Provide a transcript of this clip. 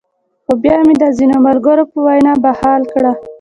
خو بيا مې د ځينې ملګرو پۀ وېنا بحال کړۀ -